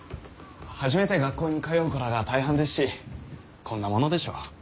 初めて学校に通う子らが大半ですしこんなものでしょう。